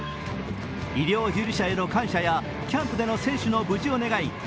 医療従事者への感謝やキャンプでの選手の無事を願い